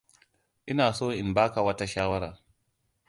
Ina so in ba ka wata shawara.